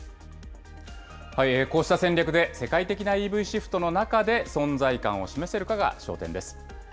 こうした戦略で、世界的なＥＶシフトの中で、存在感を示せるかが焦点です。